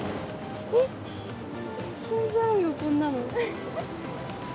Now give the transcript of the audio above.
えっ、死んじゃうよ、こんなの。